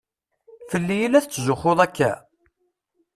Fell-i i la tetzuxxuḍ akka?